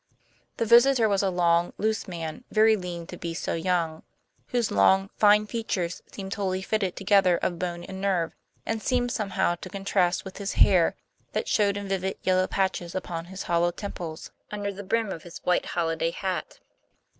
The visitor was a long, loose man, very lean to be so young, whose long, fine features seemed wholly fitted together of bone and nerve, and seemed somehow to contrast with his hair, that showed in vivid yellow patches upon his hollow temples under the brim of his white holiday hat.